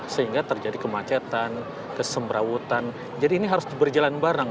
sehingga terjadi kemacetan kesemrawutan jadi ini harus berjalan bareng